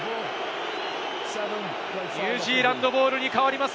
ニュージーランドボールに変わります。